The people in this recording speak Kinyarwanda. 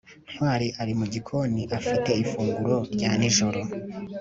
ntwali ari mu gikoni, afite ifunguro rya nijoro